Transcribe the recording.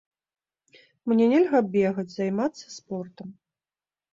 Мне нельга бегаць, займацца спортам.